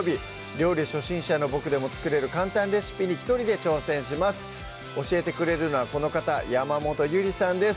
料理初心者のボクでも作れる簡単レシピに一人で挑戦します教えてくれるのはこの方山本ゆりさんです